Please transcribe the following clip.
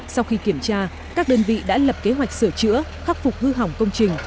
sau khi kiểm tra các đơn vị đã lập kế hoạch sửa chữa khắc phục hư hỏng công trình